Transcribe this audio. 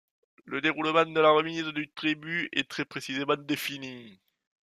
Le déroulement de la remise du tribut est très précisément défini.